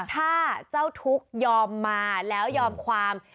ถ้าเจ้าทุกข์ยอมมาแล้วยอมความ